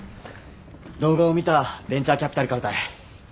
動画を見たベンチャーキャピタルからたい。